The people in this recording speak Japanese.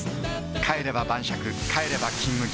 帰れば晩酌帰れば「金麦」